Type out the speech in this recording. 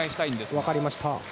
わかりました。